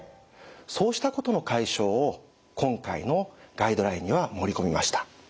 そうしたことの解消を今回のガイドラインには盛り込みました。